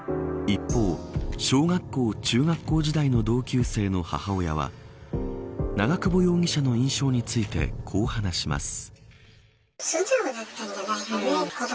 一方、小学校中学校時代の同級生の母親は長久保容疑者の印象についてこう話します。